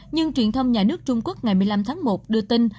nhưng truyền thông nhà nước trung quốc ngày một mươi năm tháng một đưa tin